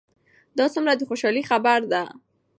دا څومره د خوشحالۍ خبر ده؟